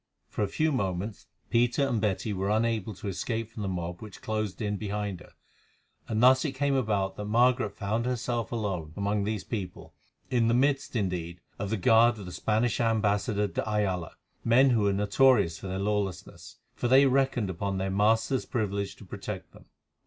For a few moments Peter and Betty were unable to escape from the mob which closed in behind her, and thus it came about that Margaret found herself alone among these people, in the midst, indeed, of the guard of the Spanish ambassador de Ayala, men who were notorious for their lawlessness, for they reckoned upon their master's privilege to protect them.